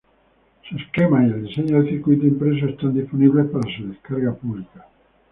Sus esquemas y el diseño del circuito impreso están disponibles para su descarga pública.